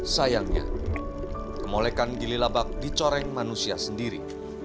sayangnya kemolekan gili labak dicoreng manusia sendiri